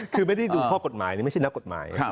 คือไม่ได้ดูข้อกฎหมายนี่ไม่ใช่นักกฎหมาย